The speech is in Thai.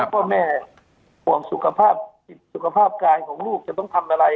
พ่อแม่ห่วงสุขภาพสุขภาพกายของลูกจะต้องทำอะไร